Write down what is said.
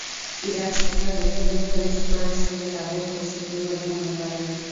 Iran সরকার দীর্ঘদিন ধরে যুক্তরাষ্ট্রকে তাঁদের ঘোর শত্রু বলে মনে করে।